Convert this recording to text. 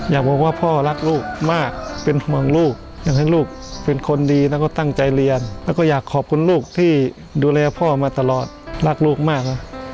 อยากบอกว่าพ่อรักลูกมากเป็นห่วงลูกอยากให้ลูกเป็นคนดีแล้วก็ตั้งใจเรียนแล้วก็อยากขอบคุณลูกที่ดูแลพ่อมาตลอดรักลูกมากนะ